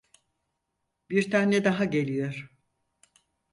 Bir tane daha geliyor.